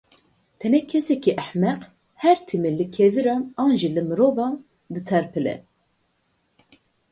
Tenê kesekî ehmeq her timî li keviran an jî li mirovan diterpile.